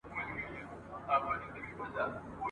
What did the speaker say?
يعقوب عليه السلام اجازه نه ورکوله، چي يوسف عليه السلام بوځي.